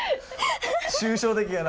抽象的やな。